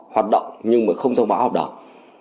hoạt động nhưng mà không thông báo hợp đồng